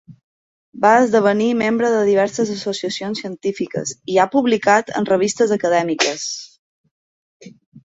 Va esdevenir membre de diverses associacions científiques i ha publicat en revistes acadèmiques.